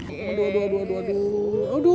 aduh aduh aduh